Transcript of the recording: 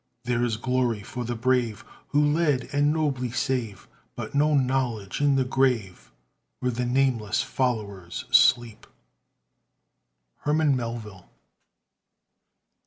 There is glory for the brave Who lead, and nobly save, But no knowledge in the grave Where the nameless followers sleep. HERMAN MELVILLE.